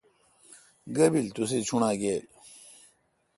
گیبل تسے چوݨاگیل ۔